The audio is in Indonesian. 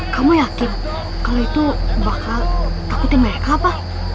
kamu yakin kalau itu bakal takutin mereka apa